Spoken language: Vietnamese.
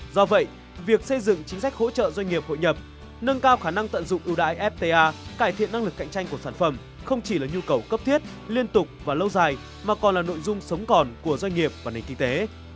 do vậy việc xây dựng chính sách hỗ trợ doanh nghiệp hội nhập nâng cao khả năng tận dụng ưu đãi fta cải thiện năng lực cạnh tranh của sản phẩm không chỉ là nhu cầu cấp thiết liên tục và lâu dài mà còn là nội dung sống còn của doanh nghiệp và nền kinh tế